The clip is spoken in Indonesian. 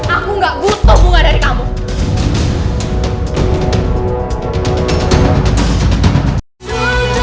aku nggak butuh bunga dari kamu